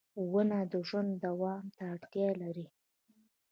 • ونه د ژوند دوام ته اړتیا لري.